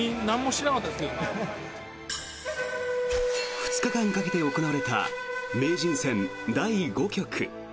２日間かけて行われた名人戦第５局。